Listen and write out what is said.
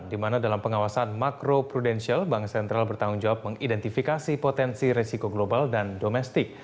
di mana dalam pengawasan makro prudensial bank sentral bertanggung jawab mengidentifikasi potensi resiko global dan domestik